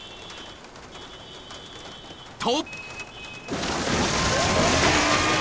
［と］